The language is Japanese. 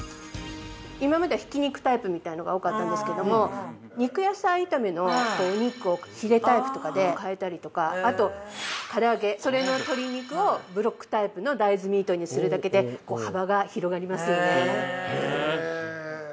今までは挽肉タイプのが多かったんですけども肉野菜炒めのこうお肉をヒレタイプとかで変えたりとかあと唐揚げそれの鶏肉をブロックタイプの大豆ミートにするだけでこう幅が広がりますよねへえへえ！